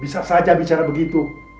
bisa saja bicara begitu